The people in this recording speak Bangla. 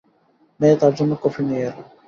মেয়ে তাঁর জন্যে কফি নিয়ে এল।